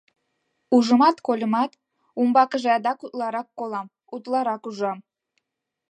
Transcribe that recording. Ужымат, кольымат, умбакыже адакат утларак колам, утларак ужам...